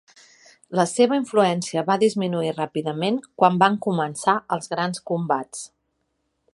La seva influència va disminuir ràpidament quan van començar els grans combats.